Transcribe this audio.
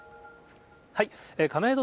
亀戸